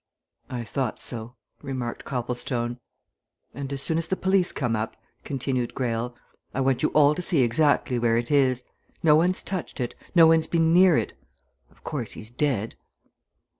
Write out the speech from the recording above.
"I thought so," remarked Copplestone. "And as soon as the police come up," continued Greyle, "I want you all to see exactly where it is. No one's touched it no one's been near it. Of course, he's dead!"